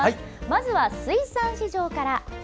まずは水産市場から。